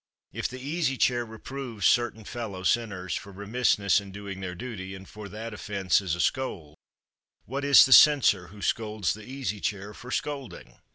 If the Easy Chair reproves certain fellow sinners for remissness in doing their duty, and for that offence is a scold, what is the censor who scolds the Easy Chair for scolding?